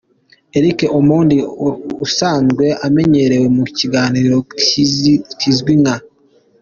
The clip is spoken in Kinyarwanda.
Eric Omondi usanzwe amenyerewe mu kiganiro kizwi nka.